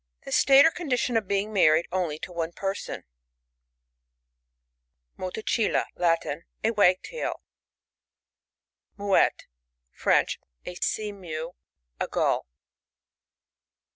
The state or condition of being married only to one person, MoTACiLLA. — Latin. A Wag'taiL MouETTE.— French. A Sea mew, a Gull.